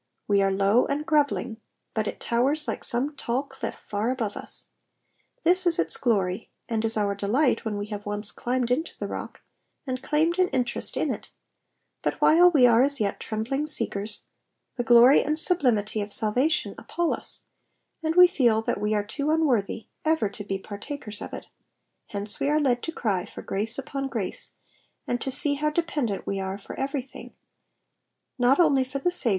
We are low and provellinar, but it towers like some tall cliff far above us. This is its glory, and 18 our delight when we have once climbed into the rock, and claimed an interest in it ; but while we are as yet trembling seekers, the glory and sublimity of salvation appal us, and we feel that wo are too unworthy ever to be partakera Digitized by VjOOQIC 106 EXPOSITIONS OF THE PSALMS. of it ; hence we are led to cry for grace upon grace, and to see how dependent we are for everything, not only for the 8a^?